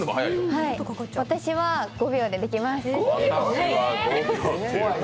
私は５秒でできます。